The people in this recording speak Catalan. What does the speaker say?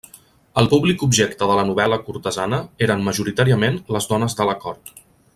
El públic objecte de la novel·la cortesana eren majoritàriament les dones de la cort.